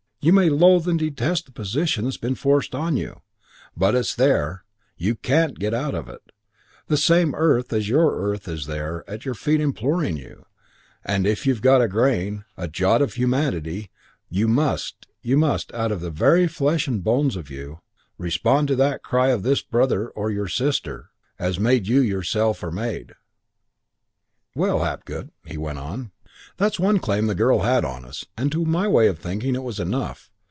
You may loathe and detest the position that's been forced on you. But it's there. You can't get out of it. The same earth as your earth is there at your feet imploring you; and if you've got a grain, a jot of humanity, you must, you must, out of the very flesh and bones of you, respond to that cry of this your brother or your sister made as you yourself are made. "'Well, Hapgood,' he went on, 'that's one claim the girl had on us, and to my way of thinking it was enough.